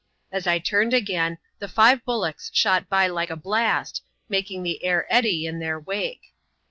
As I turned again, the five bullocks shot by like a blast, making the air eddy in thdr wake.